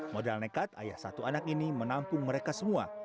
modal nekat ayah satu anak ini menampung mereka semua